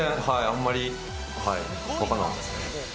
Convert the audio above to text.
あんまりわからなかったですね。